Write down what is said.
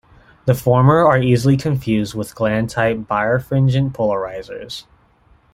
The former are easily confused with Glan-type birefringent polarizers.